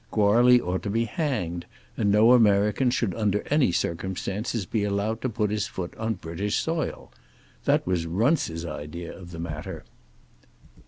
Goarly ought to be hanged, and no American should, under any circumstances be allowed to put his foot upon British soil. That was Runce's idea of the matter.